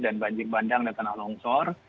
dan banjir bandang dan tanah longsor